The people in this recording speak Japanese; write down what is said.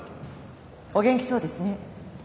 お元気そうですね。